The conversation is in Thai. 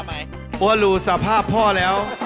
อันที่๕รู้สภาพพ่อแล้ว